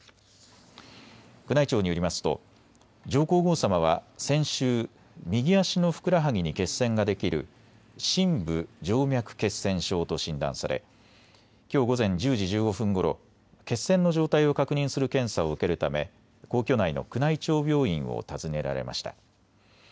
宮内庁によりますと上皇后さまは先週、右足のふくらはぎに血栓ができる深部静脈血栓症と診断されきょう午前１０時１５分ごろ、血栓の状態を確認する検査を受けるため皇居内の宮内庁病院を訪ねられました。